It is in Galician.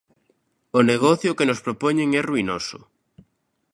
O negocio que nos propoñen é ruinoso.